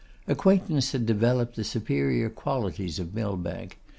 Acquaintance had developed the superior qualities of Millbank.